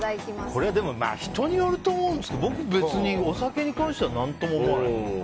これは人によると思いますけど僕は別にお酒に関しては何とも思わない。